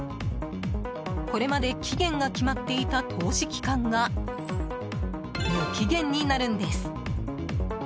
これまで期限が決まっていた投資期間が無期限になるんです。